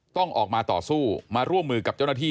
ต้องออกมาต่อสู้มาร่วมมือกับเจ้าหน้าที่